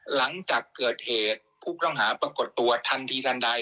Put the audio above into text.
หลังจากเกิดเหตุผู้ต้องหาปรากฏตัวทันทีทันใด